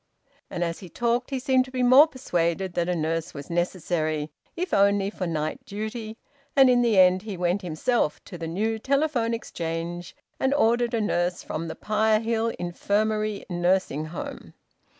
And as he talked he seemed to be more persuaded that a nurse was necessary, if only for night duty, and in the end he went himself to the new Telephone Exchange and ordered a nurse from the Pirehill Infirmary Nursing Home.